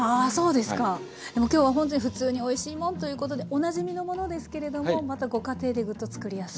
でも今日はほんとに「ふつうにおいしいもん」ということでおなじみのものですけれどもまたご家庭でグッとつくりやすいという。